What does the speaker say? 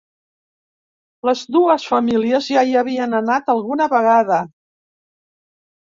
Les dues famílies ja hi havien anat alguna vegada.